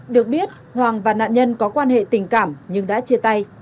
được biết hoàng và nạn nhân có quan hệ tình cảm nhưng đã chia tay